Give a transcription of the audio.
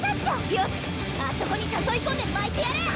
よしあそこに誘い込んでまいてやる！